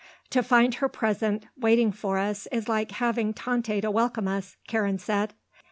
"To find her present waiting for us is like having Tante to welcome us," Karen said.